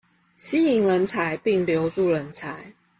吸引人才並留住人才